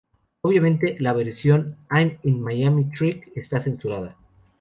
Obviamente, la versión "I'm In miami trick" esta censurada.